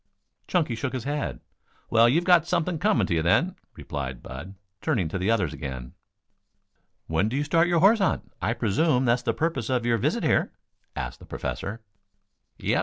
Chunky shook his head. "Well, you've got something coming to you, then," replied Bud, turning to the others again. "When do you start your horse hunt? I presume that's the purpose of your visit here?" asked the Professor. "Yep.